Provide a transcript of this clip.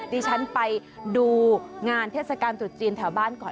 ดิฉันไปดูงานเทศกาลตรุษจีนแถวบ้านก่อน